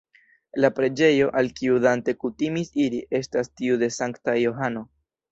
La preĝejo, al kiu Dante kutimis iri, estas tiu de Sankta Johano.